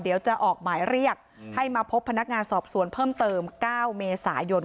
เดี๋ยวจะออกหมายเรียกให้มาพบพนักงานสอบสวนเพิ่มเติม๙เมษายน